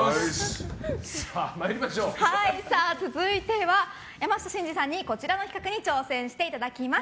続いては、山下真司さんにこちらの企画に挑戦していただきます。